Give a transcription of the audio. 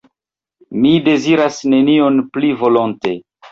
Mi deziras nenion pli volonte.